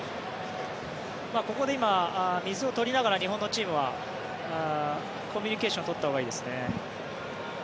ここで今、水を取りながら日本のチームはコミュニケーションを取ったほうがいいですね。